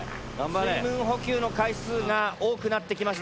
水分補給の回数が多くなってきました。